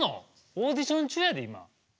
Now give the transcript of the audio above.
オーディション中やで今。